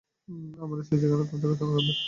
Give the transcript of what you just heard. আমার স্ত্রী সেখানে তার দেখাশোনা করবে।